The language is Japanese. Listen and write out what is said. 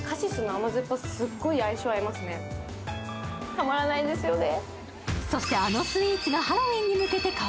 たまらないですよね。